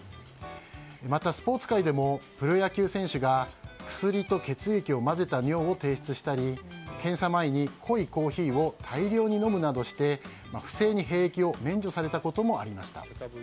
また、スポーツ界でもプロ野球選手が薬と血液を混ぜた尿を提出したり検査前に濃いコーヒーを大量に飲むなどして不正に兵役を免除されたこともありました。